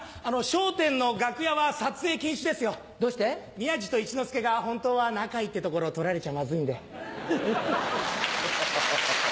宮治と一之輔が本当は仲いいってところを撮られちゃマズいんで。